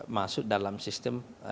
masuk dalam sistem